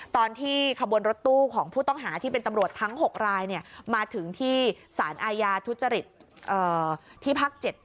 ตอนที่ขบวนรถตู้ของผู้ต้องหาที่เป็นตำรวจทั้ง๖รายมาถึงที่สารอาญาทุจริตที่ภาค๗